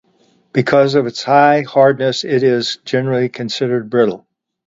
Because of its high hardness, it is generally considered brittle.